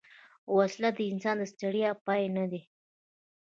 وسله د انسان د ستړیا پای نه ده